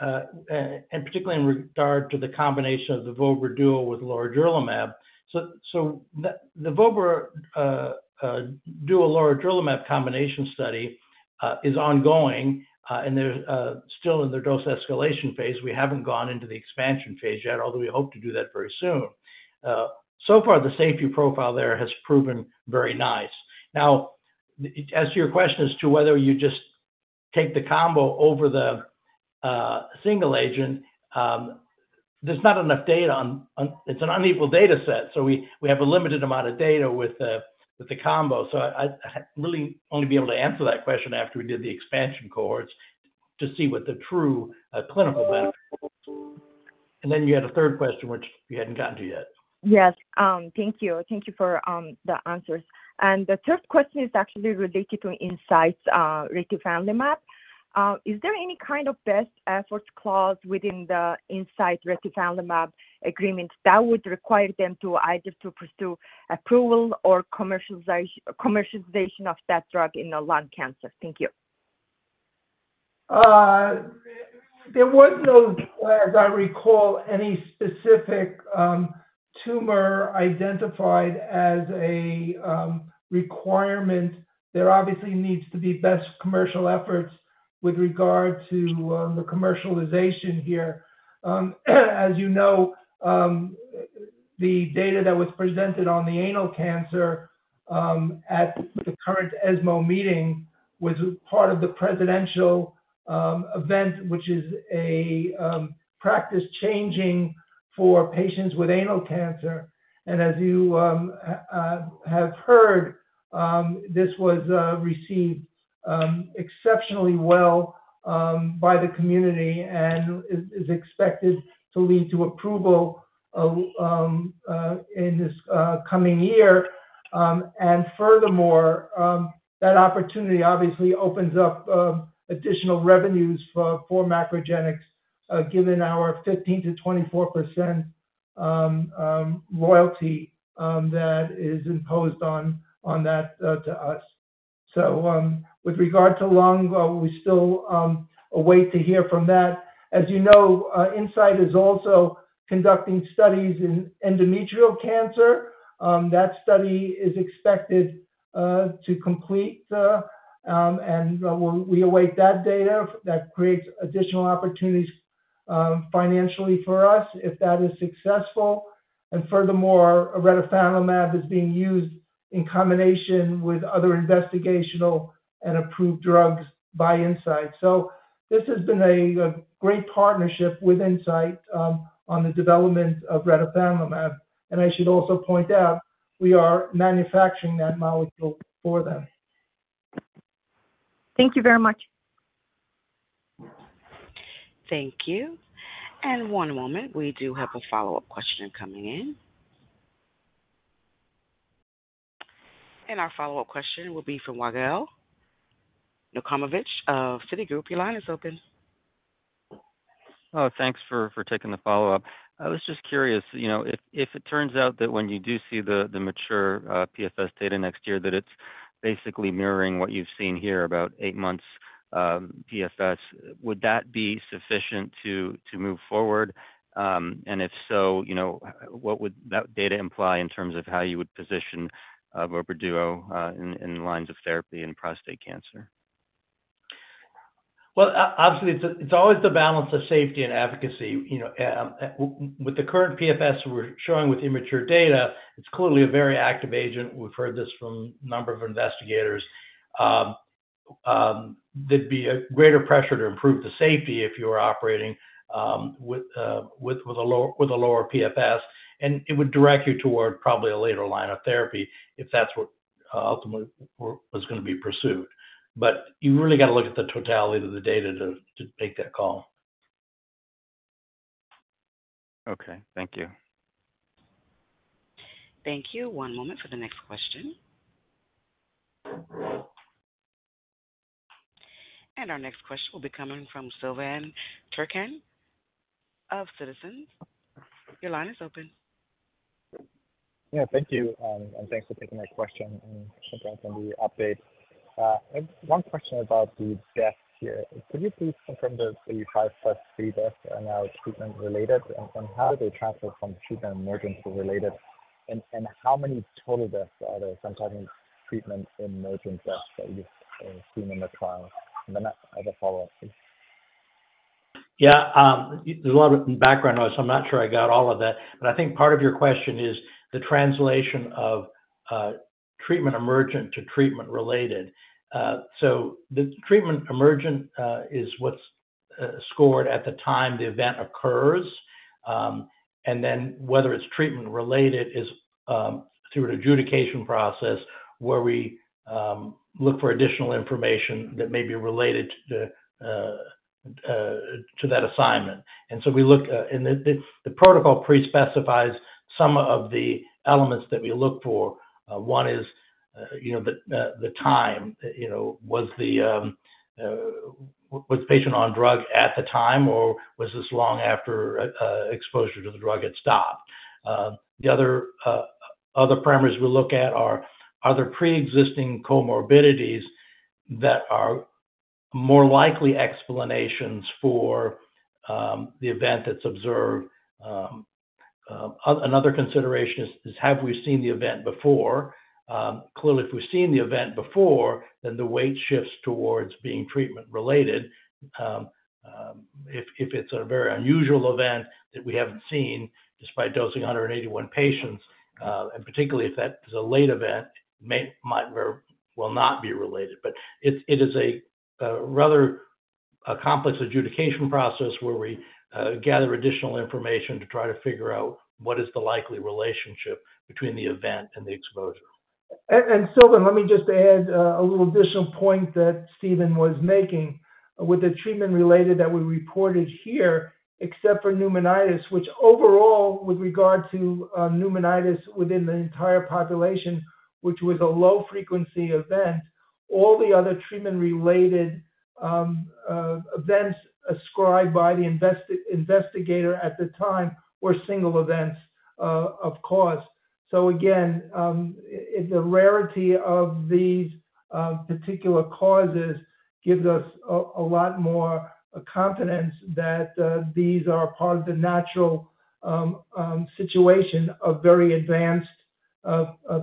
and particularly in regard to the combination of the vobra duo with durvalumab, so the vobra duo durvalumab combination study is ongoing, and they're still in the dose escalation phase. We haven't gone into the expansion phase yet, although we hope to do that very soon, so far, the safety profile there has proven very nice. Now, as to your question as to whether you just take the combo over the single agent, there's not enough data on it. It's an unequal data set, so we have a limited amount of data with the combo. So I'd really only be able to answer that question after we did the expansion cohorts to see what the true clinical benefit. And then you had a third question, which we hadn't gotten to yet. Yes, thank you. Thank you for the answers. And the third question is actually related to Incyte's retifanlimab. Is there any kind of best efforts clause within the Incyte retifanlimab agreement that would require them to either to pursue approval or commercialization of that drug in the lung cancer? Thank you. There was no, as I recall, any specific tumor identified as a requirement. There obviously needs to be best commercial efforts with regard to the commercialization here. As you know, the data that was presented on the anal cancer at the current ESMO meeting was part of the presidential event, which is a practice-changing for patients with anal cancer, and as you have heard, this was received exceptionally well by the community and is expected to lead to approval in this coming year. Furthermore, that opportunity obviously opens up additional revenues for MacroGenics, given our 15% to 24% royalty that is imposed on that to us. With regard to lung, we still await to hear from that. As you know, Incyte is also conducting studies in endometrial cancer. That study is expected to complete, and we await that data. That creates additional opportunities, financially for us if that is successful. F urthermore, retifanlimab is being used in combination with other investigational and approved drugs by Incyte.This has been a great partnership with Incyte, on the development of retifanlimab, and I should also point out, we are manufacturing that molecule for them. Thank you very much. Thank you. And one moment, we do have a follow-up question coming in. Our follow-up question will be from Yigal Nochomovitz of Citigroup. Your line is open. Oh, thanks for taking the follow-up. I was just curious, you know, if it turns out that when you do see the mature PFS data next year, that it's basically mirroring what you've seen here, about eight months PFS, would that be sufficient to move forward? If you know, what would that data imply in terms of how you would position vobra duo in lines of therapy in prostate cancer? Obviously, it's always the balance of safety and efficacy, you know, with the current PFS we're showing with immature data, it's clearly a very active agent. We've heard this from a number of investigators. There'd be a greater pressure to improve the safety if you were operating with a lower PFS, and it would direct you toward probably a later line of therapy, if that's what ultimately was gonna be pursued. But you really got to look at the totality of the data to make that call. Okay, thank you. Thank you. One moment for the next question. Our next question will be coming from Silvan Tuerkcan of Citizens JMP. Your line is open. Thank you. Thanks for taking my question and thanks for the update. One question about the deaths here. Could you please confirm the 35 + 3 deaths are now treatment related? How do they transfer from treatment emergent to related, and how many total deaths are there? I'm talking treatment and emergent deaths that you've seen in the trial. And then I have a follow-up, please. There's a lot of background noise, so I'm not sure I got all of that. But I think part of your question is the translation of treatment-emergent to treatment-related. So the treatment-emergent is what's scored at the time the event occurs. Whether it's treatment-related is through an adjudication process where we look for additional information that may be related to that assignment. We look and the protocol pre-specifies some of the elements that we look for. One is you know the time. You know, was the patient on drug at the time, or was this long after exposure to the drug had stopped? The other parameters we look at are, are there pre-existing comorbidities that are more likely explanations for the event that's observed? Another consideration is, have we seen the event before? Clearly, if we've seen the event before, then the weight shifts towards being treatment related. If it's a very unusual event that we haven't seen despite dosing 181 patients, and particularly if that is a late event, may, might, or will not be related. But it is a rather complex adjudication process where we gather additional information to try to figure out what is the likely relationship between the event and the exposure. Silvan, let me just add a little additional point that Stephen was making. With the treatment-related that we reported here, except for pneumonitis, which overall with regard to pneumonitis within the entire population, which was a low-frequency event, all the other treatment-related events ascribed by the investigator at the time were single events of course. Again, the rarity of these particular causes gives us a lot more confidence that these are part of the natural situation of very advanced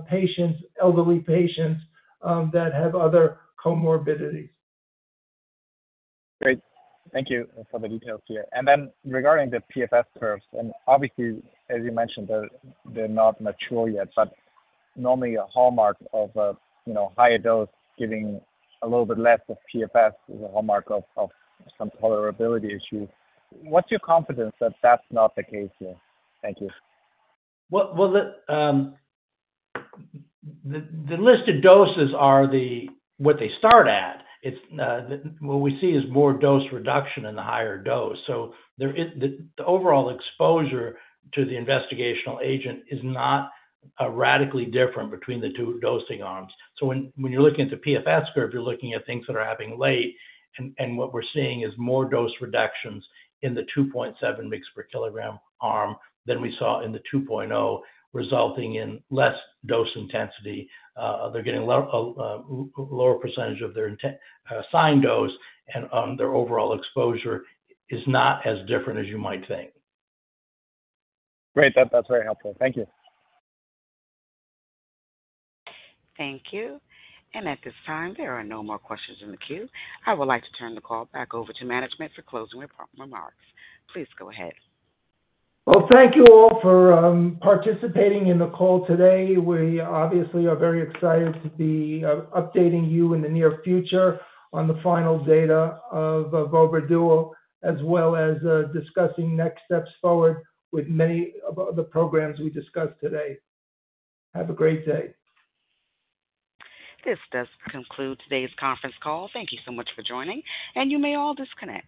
patients, elderly patients, that have other comorbidities. Great. Thank you for the details here. Regarding the PFS curves, and obviously, as you mentioned, they're not mature yet. Normally a hallmark of a, you know, higher dose giving a little bit less of PFS is a hallmark of some tolerability issue. What's your confidence that that's not the case here? Thank you. The listed doses are what they start at. It's what we see is more dose reduction in the higher dose. So there is. The overall exposure to the investigational agent is not radically different between the two dosing arms. When you're looking at the PFS curve, you're looking at things that are happening late, and what we're seeing is more dose reductions in the two point seven mgs per kilogram arm than we saw in the 2.0, resulting in less dose intensity. They're getting a lower percentage of their assigned dose, and their overall exposure is not as different as you might think. Great. That's very helpful. Thank you. Thank you. It this time, there are no more questions in the queue. I would like to turn the call back over to management for closing remarks. Please go ahead. Thank you all for participating in the call today. We obviously are very excited to be updating you in the near future on the final data of vobra duo, as well as discussing next steps forward with many of the programs we discussed today. Have a great day. This does conclude today's conference call. Thank you so much for joining, and you may all disconnect.